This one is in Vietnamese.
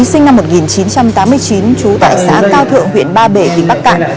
đặng văn quý sinh năm một nghìn chín trăm tám mươi chín trú tại xã cao thượng huyện ba bể tỉnh bắc cạn